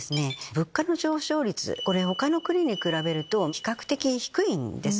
物価の上昇率これ他の国に比べると比較的低いんですね。